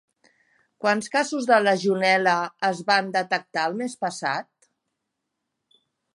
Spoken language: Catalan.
Quants casos de legionel·la es van detectar el mes passat?